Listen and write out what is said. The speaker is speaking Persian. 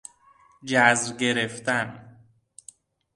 جذر گرفتن